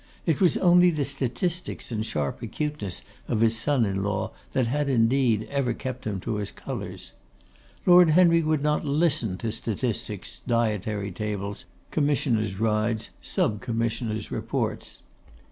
It was only the statistics and sharp acuteness of his son in law that had, indeed, ever kept him to his colours. Lord Henry would not listen to statistics, dietary tables, Commissioners' rides, Sub commissioners' reports.